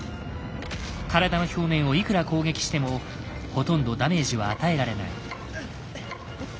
体の表面をいくら攻撃してもほとんどダメージは与えられない。